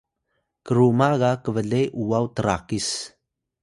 kruma ga kble uwaw trakis